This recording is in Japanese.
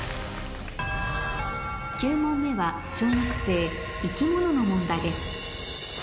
９問目は小学生生き物の問題です